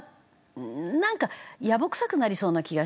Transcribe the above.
なんかやぼくさくなりそうな気がして。